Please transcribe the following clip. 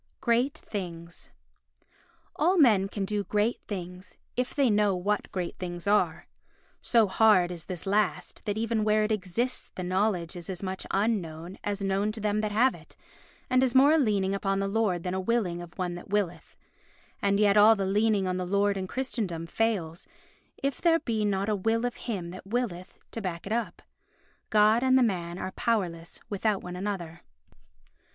Great Things All men can do great things, if they know what great things are. So hard is this last that even where it exists the knowledge is as much unknown as known to them that have it and is more a leaning upon the Lord than a willing of one that willeth. And yet all the leaning on the Lord in Christendom fails if there be not a will of him that willeth to back it up. God and the man are powerless without one another.